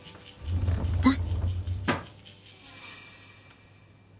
えっ！？